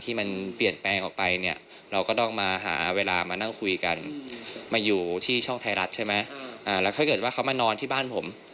ที่มันเปลี่ยนแปลงออกไปเนี่ย